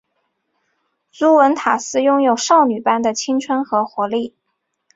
朱文塔斯拥有少女般的青春和活力。